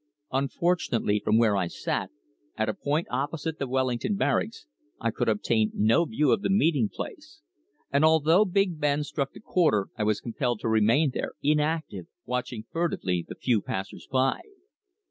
Unfortunately, from where I sat, at a point opposite the Wellington Barracks, I could obtain no view of the meeting place, and although Big Ben struck the quarter I was compelled to remain there inactive, watching furtively the few passers by.